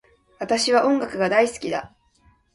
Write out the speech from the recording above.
私は音楽が大好きだ